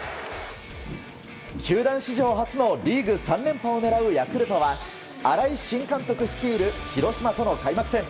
球団史上初のリーグ３連覇を狙うヤクルトは、新井新監督率いる広島との開幕戦。